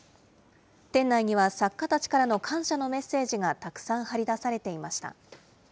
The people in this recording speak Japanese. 店内には、作家たちからの感謝のメッセージがたくさん貼り出されていました。